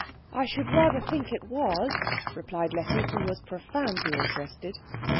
"I should rather think it was," replied Letty, who was profoundly interested.